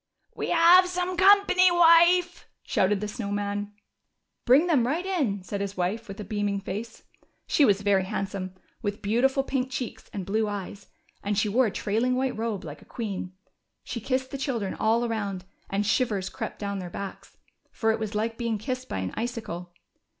^^We have some company, Avife," shouted the SnoAv Man. Bring them right in," said his Avife Avith a beaming face. She was very handsome, with beautiful pink cheeks and blue eyes, and she wore a trailing AAdiite robe, like a queen. She kissed the children all around, and shivers crept doAvn their backs, for it was like being kissed by an icicle.